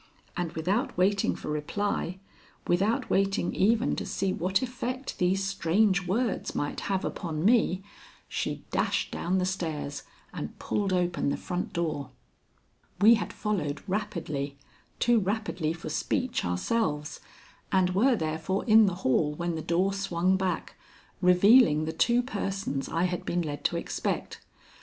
And without waiting for reply, without waiting even to see what effect these strange words might have upon me, she dashed down the stairs and pulled open the front door. We had followed rapidly, too rapidly for speech ourselves, and were therefore in the hall when the door swung back, revealing the two persons I had been led to expect. Mr.